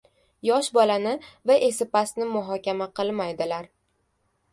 • Yosh bolani va esipastni muhokama qilmaydilar.